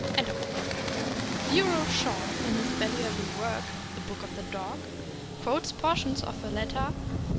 Yero Shaw, in his valuable work '' The Book of the Dog," quotes portions of a letter from M.